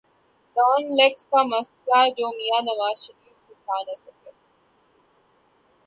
Dawn leaks کا مسئلہ جو میاں نواز شریف سلجھا نہ سکے۔